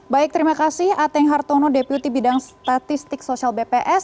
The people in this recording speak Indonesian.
baik terima kasih ateng hartono deputi bidang statistik sosial bps